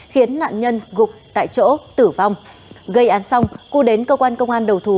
khiến nạn nhân gục tại chỗ tử vong gây án xong cư đến cơ quan công an đầu thú